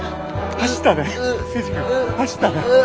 走ったな。